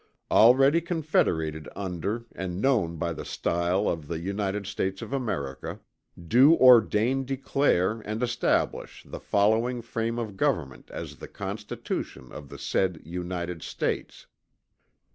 already confederated under and known by the Stile of the United States of America do ordain declare and establish the following Frame of Government as the Constitution of the said United States."